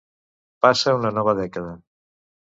Passa una nova dècada.